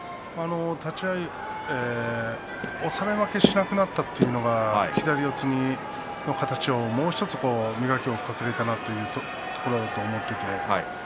立ち合い、押され負けしなくなった左四つの形を、もうひとつ磨きをかけられたなというところだと思っています。